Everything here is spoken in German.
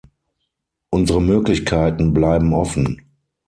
Unsere Möglichkeiten bleiben offen.